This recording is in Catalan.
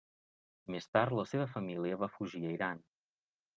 Més tard la seva família va fugir a Iran.